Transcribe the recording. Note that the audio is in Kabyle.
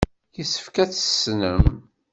Yessefk ad t-tessnem.